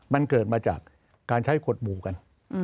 มันเกิดมาจากการใช้ขดหมู่กัน